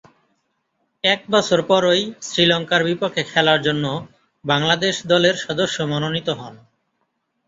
একবছর পরই শ্রীলঙ্কার বিপক্ষে খেলার জন্য বাংলাদেশ দলের সদস্য মনোনীত হন।